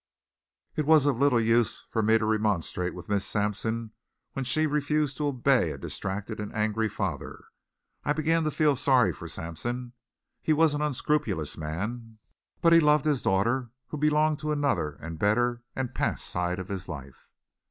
It was of little use for me to remonstrate with Miss Sampson when she refused to obey a distracted and angry father. I began to feel sorry for Sampson. He was an unscrupulous man, but he loved this daughter who belonged to another and better and past side of his life.